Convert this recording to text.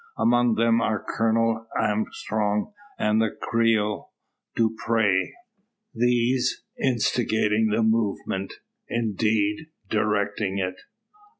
Among them are Colonel Armstrong and the Creole, Dupre; these instigating the movement; indeed, directing it.